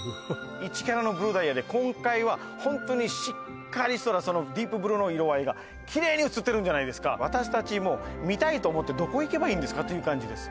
１カラットのブルーダイヤで今回はホントにしっかりしたディープブルーの色合いが綺麗にうつってるじゃないですか私たちも見たいと思ってどこ行けばいいんですかという感じです